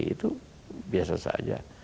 itu biasa saja